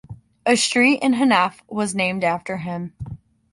A street in Hennef was named after him.